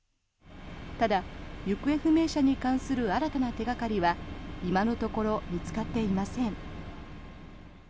ただ、行方不明者に関する新たな手掛かりは今のところ見つかっていません。